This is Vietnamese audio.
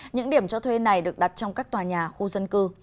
những điểm cho thuê này được đặt trong các tòa nhà khu dân cư